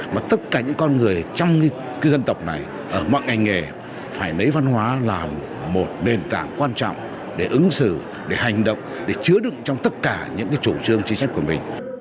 mà tất cả những con người trong cái dân tộc này ở mọi ngành nghề phải lấy văn hóa là một nền tảng quan trọng để ứng xử để hành động để chứa đựng trong tất cả những cái chủ trương chính sách của mình